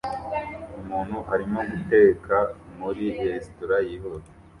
Umuntu arimo guteka muri resitora yihuta